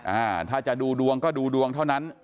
อ่าถ้าจะดูดวงก็ดูดวงเท่านั้น